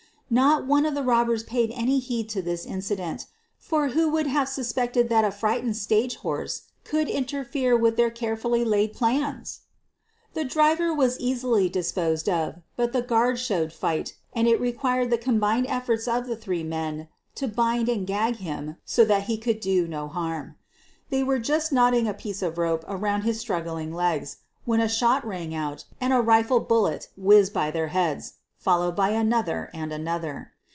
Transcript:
Not one of the robbers paid any heed to this in QUEEN OF THE BURGLARS 229 feident — for who would have suspected that a fright ened stage horse could interfere with their carefully laid plans? The driver was easily disposed of, but the guard showed fight and it required the combined efforts of the three men to bind and gag him so that he could do no harm. They were just knotting a piece of rope around his struggling legs when a shot rang out and a rifle bullet whizzed by their heads — followed by another and another.